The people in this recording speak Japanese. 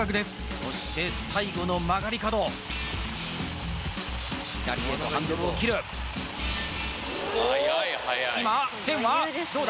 そして最後の曲がり角左へとハンドルを切るお今線はどうだ？